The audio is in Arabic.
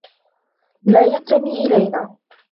لا ينتمي إلينا.